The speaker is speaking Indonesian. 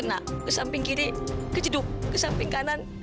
ah soh bapak